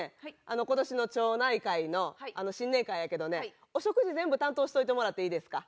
今年の町内会の新年会やけどねお食事全部担当しといてもらっていいですか？